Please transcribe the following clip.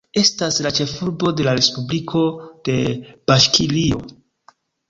Estas la ĉefurbo de la respubliko de Baŝkirio.